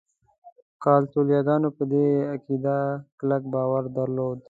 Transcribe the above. کاتولیکانو په دې عقیده کلک باور درلود.